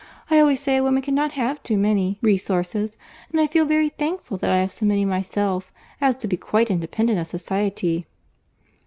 I always say a woman cannot have too many resources—and I feel very thankful that I have so many myself as to be quite independent of society."